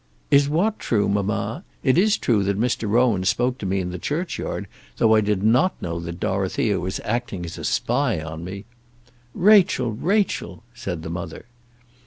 "Is what true, mamma? It is true that Mr. Rowan spoke to me in the churchyard, though I did not know that Dorothea was acting as a spy on me." "Rachel, Rachel!" said the mother.